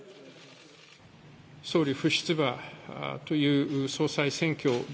総理不出馬という総裁選挙で